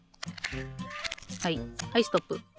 はいはいストップ。